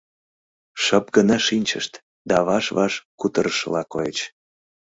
Шып гына шинчышт да ваш-ваш кутырышыла койыч.